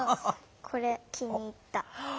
これ気に入った。